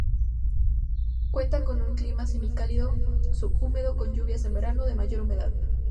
Cuenta con un clima semicálido subhúmedo con lluvias en verano, de mayor humedad.